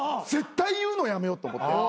絶対言うのをやめようと思って。